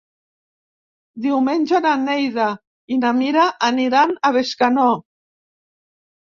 Diumenge na Neida i na Mira aniran a Bescanó.